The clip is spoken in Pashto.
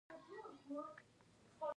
د فراه په بالابلوک کې د ګچ کان شته.